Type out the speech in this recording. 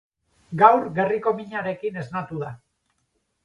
Gaur gerriko minarekin esnatu da.